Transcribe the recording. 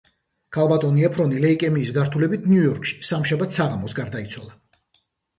ქალბატონი ეფრონი ლეიკემიის გართულებით ნიუ-იორკში სამშაბათს საღამოს გარდაიცვალა.